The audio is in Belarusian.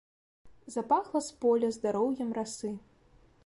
Запахла з поля здароўем расы.